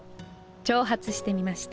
挑発してみました。